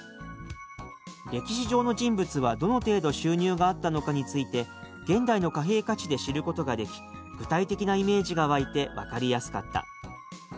「歴史上の人物はどの程度収入があったのかについて現代の貨幣価値で知ることができ具体的なイメージが湧いて分かりやすかった」